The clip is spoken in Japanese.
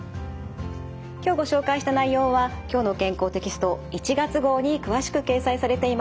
今日ご紹介した内容は「きょうの健康」テキスト１月号に詳しく掲載されています。